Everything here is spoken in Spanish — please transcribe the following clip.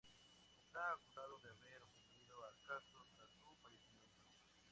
Esta acusado de haber ofendido a Castro tras su fallecimiento.